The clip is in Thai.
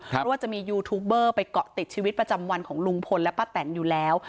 เพราะว่าจะมียูทูปเบอร์ไปเกาะติดชีวิตประจำวันของลุงพลและป้าแตนอยู่แล้ว